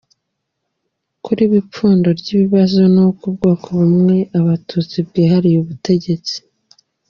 Kuri bo ipfundo ry’ikibazo ni uko ubwoko bumwe –abatutsi- bwihariye ubutegetsi.